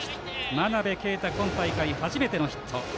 真鍋慧、今大会初めてのヒット。